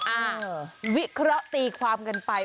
วิเคราะห์ตีความกันไป